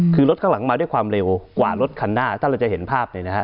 คือรถข้างหลังมาด้วยความเร็วกว่ารถคันหน้าถ้าเราจะเห็นภาพเนี่ยนะฮะ